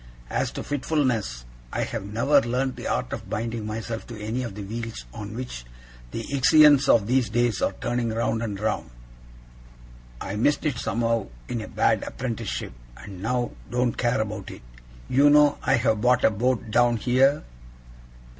As to fitfulness, I have never learnt the art of binding myself to any of the wheels on which the Ixions of these days are turning round and round. I missed it somehow in a bad apprenticeship, and now don't care about it. You know I have bought a boat down here?